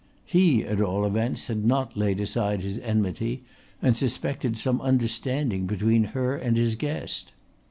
He at all events had not laid aside his enmity and suspected some understanding between her and his guest.